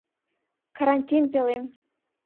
Карантин пӧлем.